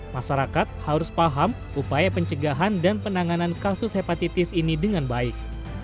masyarakat harus paham upaya pencegahan dan penanganan kasus hepatitis ini dengan baik